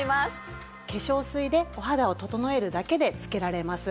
化粧水でお肌を整えるだけでつけられます。